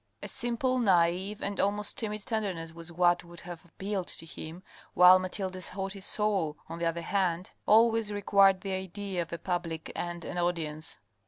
A simple, naive, and almost timid tenderness was what would have appealed to him, while Mathilde's haughty soul, on the other hand, always required the idea of a public and an audience.